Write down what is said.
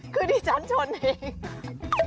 คือที่ฉันชนเอง